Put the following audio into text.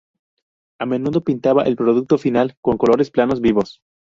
A menudo pintaba el producto final con colores planos vivos.